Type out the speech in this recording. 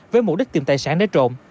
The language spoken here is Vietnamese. với mục đích tìm tài sản để trộm